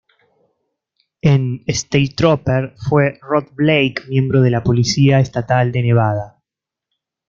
En "State Trooper" fue Rod Blake, miembro de la Policía Estatal de Nevada.